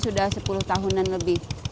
sudah sepuluh tahunan lebih